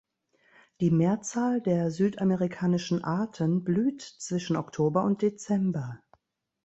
Die Mehrzahl der südamerikanischen Arten blüht zwischen Oktober und Dezember.